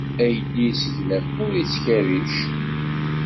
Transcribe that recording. Aydi yesseglafen ur yettkerric.